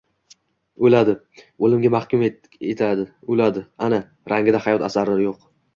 — O’ladi! O’limga mahkum etydgan, o‘ladi! Ana, rangida hayot asari yo‘q.